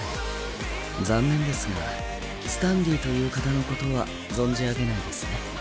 残念ですがスタンリーという方のことは存じ上げないですね。